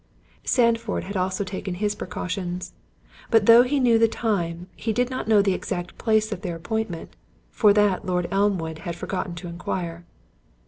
Sandford had also taken his precautions; but though he knew the time, he did not know the exact place of their appointment, for that Lord Elmwood had forgot to enquire.